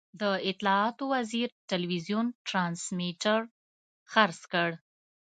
د اطلاعاتو وزیر ټلوېزیون ټرانسمیټر خرڅ کړ.